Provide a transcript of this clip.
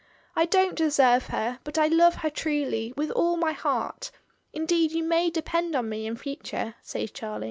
I don't deserve her, but I love her truly, with, all my heart; indeed you may depend pn me in future," says Charlie.